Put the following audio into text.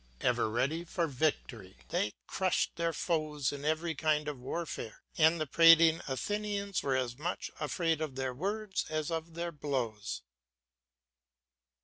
Ever ready for victory, they crushed their foes in every kind of warfare, and the prating Athenians were as much afraid of their words as of their blows.